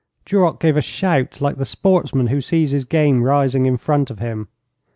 Duroc gave a shout like the sportsman who sees his game rising in front of him.